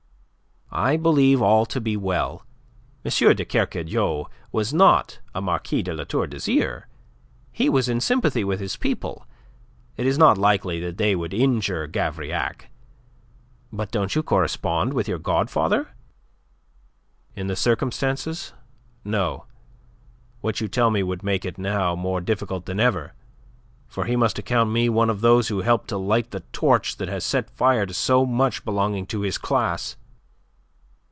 "I believe all to be well. M. de Kercadiou was not a Marquis de La Tour d'Azyr. He was in sympathy with his people. It is not likely that they would injure Gavrillac. But don't you correspond with your godfather?" "In the circumstances no. What you tell me would make it now more difficult than ever, for he must account me one of those who helped to light the torch that has set fire to so much belonging to his class.